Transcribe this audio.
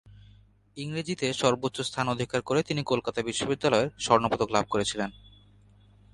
ইংরাজীতে সর্বোচ্চ স্থান অধিকার করে তিনি কলকাতা বিশ্ববিদ্যালয়ের স্বর্ণ পদক লাভ করেছিলেন।